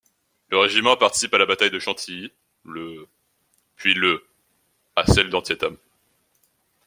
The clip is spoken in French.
Le régiment participe à la bataille de Chantilly le puis le à celle d'Antietam.